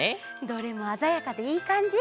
どれもあざやかでいいかんじ！